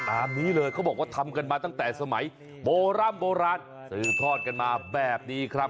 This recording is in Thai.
นี้เลยเขาบอกว่าทำกันมาตั้งแต่สมัยโบร่ำโบราณสืบทอดกันมาแบบนี้ครับ